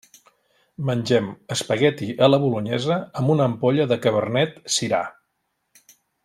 Mengem espagueti a la bolonyesa amb una ampolla de cabernet-sirà.